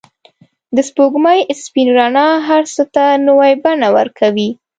د سپوږمۍ سپین رڼا هر څه ته نوی بڼه ورکوي.